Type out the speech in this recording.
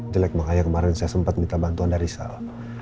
jelek makanya kemarin saya sempat minta bantuan dari salam